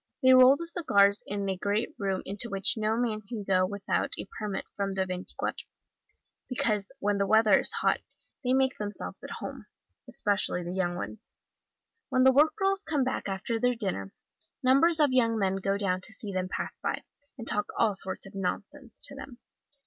They roll the cigars in a great room into which no man can go without a permit from the Veintiquatro, because when the weather is hot they make themselves at home, especially the young ones. When the work girls come back after their dinner, numbers of young men go down to see them pass by, and talk all sorts of nonsense to them.